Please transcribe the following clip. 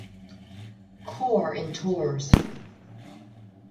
Corps in Tours.